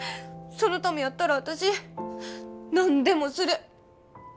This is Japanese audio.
そのためやったら私何でもする。